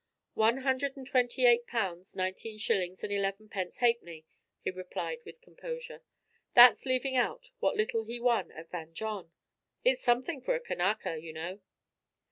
"One hundred and twenty eight pounds nineteen shillings and eleven pence halfpenny," he replied with composure. "That's leaving out what little he won at Van John. It's something for a Kanaka, you know."